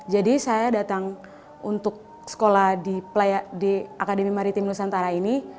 jadi saya datang untuk sekolah di akademi maritim nusantara ini